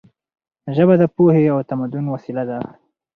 ژبه د پوهې او تمدن وسیله ده.